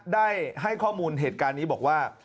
ได้ให้ข้อมูลเหตุการณ์นี้บอกว่า